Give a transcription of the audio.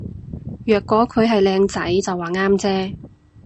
若果佢係靚仔就話啱啫